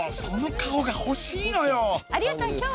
その顔が欲しいのよ有吉さん